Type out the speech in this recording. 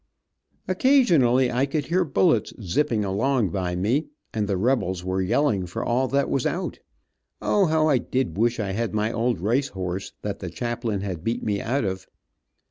Occasionally I could hear bullets 'zipping' along by me, and the rebels were yelling for all that was out. O, how I did wish I had my old race horse that the chaplain had beat me out of.